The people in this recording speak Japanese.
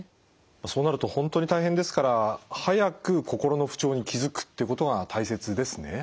そうなると本当に大変ですから早く心の不調に気付くっていうことが大切ですね。